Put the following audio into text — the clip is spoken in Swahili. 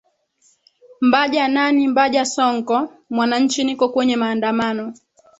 mbaja nani mbaja sonko mwananchi niko kwenye maandamano